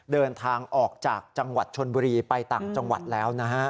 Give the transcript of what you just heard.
เดินทางออกจากจังหวัดชนบุรีไปต่างจังหวัดแล้วนะฮะ